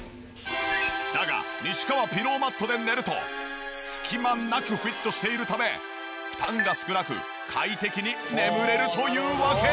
だが西川ピローマットで寝ると隙間なくフィットしているため負担が少なく快適に眠れるというわけ。